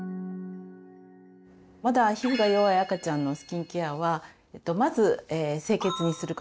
まだ皮膚が弱い赤ちゃんのスキンケアはまず清潔にすること。